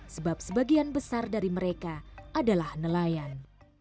sebab sebagian besar dari mereka adalah nelayan